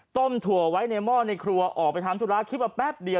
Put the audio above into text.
ต้มถั่วไว้ม่อในครัวออกไปทำธุราคลิปแป๊บเดียว